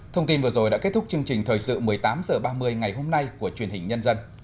thông tin vừa rồi đã kết thúc chương trình thời sự một mươi tám h ba mươi ngày hôm nay của truyền hình nhân dân